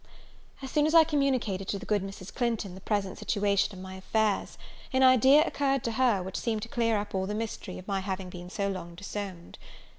As soon as I communicated to the good Mrs. Clinton the present situation of my affairs, an idea occurred to her which seemed to clear up all the mystery of my having been so long disowned.